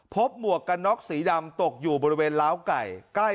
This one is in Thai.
หมวกกันน็อกสีดำตกอยู่บริเวณล้าวไก่ใกล้